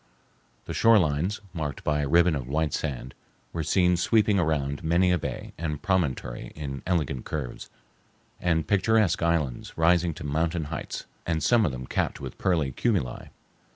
The shorelines, marked by a ribbon of white sand, were seen sweeping around many a bay and promontory in elegant curves, and picturesque islands rising to mountain heights, and some of them capped with pearly cumuli.